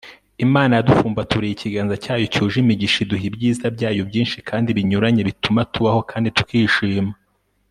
imana yadupfumbaturiye ikiganza cyayo cyuje imigisha, iduha ibyiza byayo byinshi kandi binyuranye, bituma tubaho kandi tukishima